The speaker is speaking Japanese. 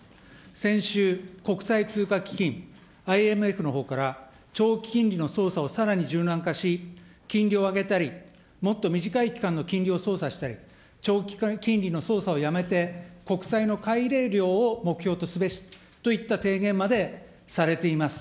先週、国際通貨基金・ＩＭＦのほうから、長期金利の操作をさらに柔軟化し、金利を上げたり、もっと短い期間の金利を操作したり、長期金利の操作をやめて、国債の買い入れ量を目標とすべしといった提言までされています。